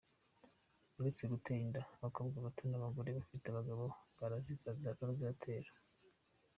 Uretse gutera inda abakobwa bato n’abagore bafite abagabo yarazibateye.